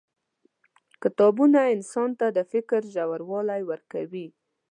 • کتابونه انسان ته د فکر ژوروالی ورکوي.